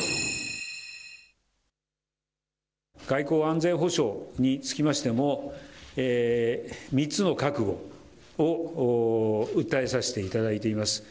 外交・安全保障につきましても、３つの覚悟を訴えさせていただいています。